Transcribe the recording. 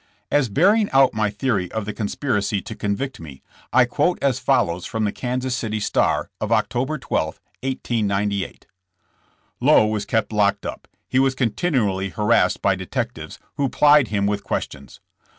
As bearing out my theory of the conspiracy to convict me, I quote as follows from the Kansas City Star of October 12, 1898 : Lowe was kept locked up. He was continually harassed by detectives, who plied him with ques tions.